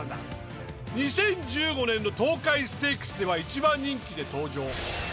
２０１５年の東海ステークスでは１番人気で登場。